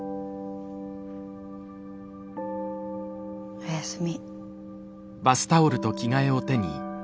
おやすみ。